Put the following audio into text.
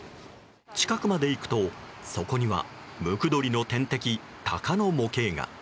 近くまで行くとそこにはムクドリの天敵、タカの模型が。